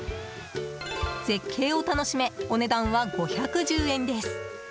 絶景を楽しめお値段は５１０円です。